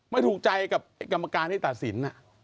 ไม่ถูกใจกับกรรมการที่ตัดสิน